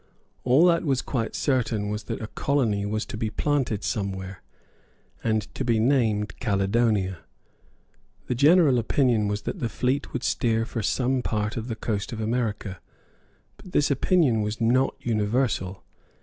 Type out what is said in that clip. All that was quite certain was that a colony was to be planted somewhere, and to be named Caledonia. The general opinion was that the fleet would steer for some part of the coast of America. But this opinion was not universal.